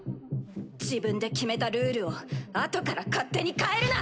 自分で決めたルールをあとから勝手に変えるな。